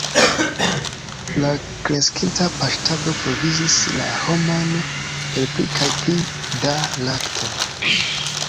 La kreskinta paŝtado provizis la homojn per pli kaj pli da lakto.